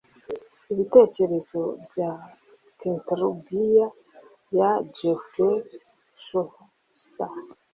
Ibitekerezo bya Canterbury ya Geoffrey Chaucer